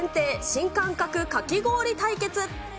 新感覚かき氷対決。